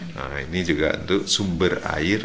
nah ini juga untuk sumber air